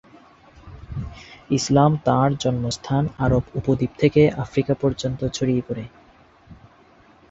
ইসলাম তার জন্মস্থান আরব উপদ্বীপ থেকে আফ্রিকা পর্যন্ত ছড়িয়ে পড়ে।